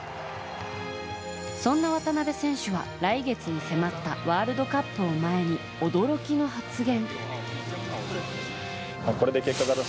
そんな渡邊選手は、来月に迫ったワールドカップを前に驚きの発言。